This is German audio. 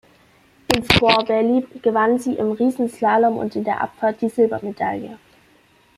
In Squaw Valley gewann sie im Riesenslalom und in der Abfahrt die Silbermedaille.